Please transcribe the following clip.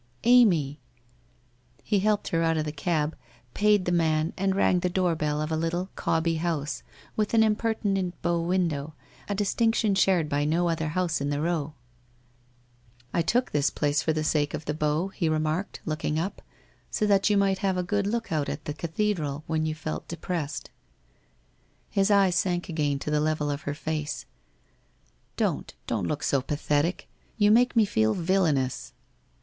. Amy !' He helped her out of the cab, paid the man and rang the doorbell of a little cobby house with an impertinent bow window, a distinction shared by no other house in the row. WHITE ROSE OF WEARY LEAF 265 ' I took this place for the sake of the bow/ he remarked, looking up, ' so that you might have a good look out at the cathedral when you felt depressed ' His eyes sank again to the level of her face. ' Don't, don't look so pathetic. You make me feel villainous.'